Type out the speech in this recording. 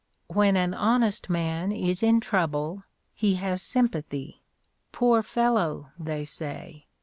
When an honest man is in trouble, he has sympathy. "Poor fellow!" they say.